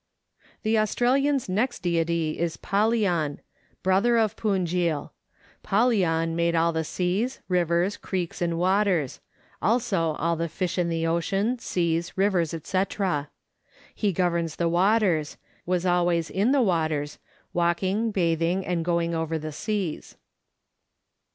The Australian's next Deity is Pallian, brother of Puujil. Pallian made all seas, rivers, creeks, and waters ; also all the fish in the ocean, seas, rivers, &c. He governs the waters; was always in the waters, walking, bathing, and going over the seas.